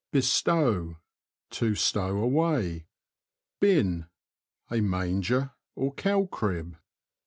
Bestow. — To stow away. Bin. — A manger, or cow crib.